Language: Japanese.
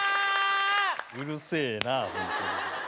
うるせえなホントに。